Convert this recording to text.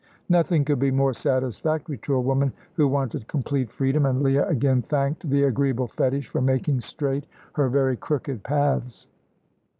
Nothing could be more satisfactory to a woman who wanted complete freedom, and Leah again thanked the agreeable fetish for making straight her very crooked paths.